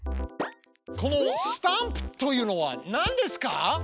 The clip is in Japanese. この「スタンプ」というのは何ですか？